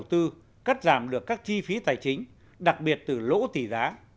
các khoản đầu tư cắt giảm được các chi phí tài chính đặc biệt từ lỗ tỷ giá